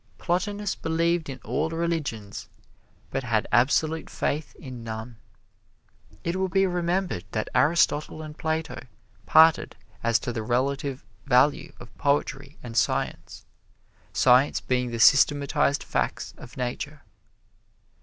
Plotinus believed in all religions, but had absolute faith in none. It will be remembered that Aristotle and Plato parted as to the relative value of poetry and science science being the systematized facts of Nature.